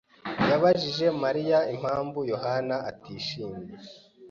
yabajije Mariya impamvu Yohana atishimye.